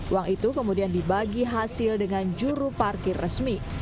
uang itu kemudian dibagi hasil dengan juru parkir resmi